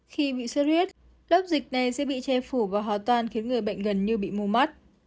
khi bị xuất huyết lớp dịch này sẽ bị che phủ và hoàn toàn khiến người bệnh gần như bị mù mắt